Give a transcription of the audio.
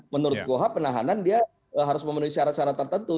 menurut gohab penahanan dia harus memenuhi syarat syarat tertentu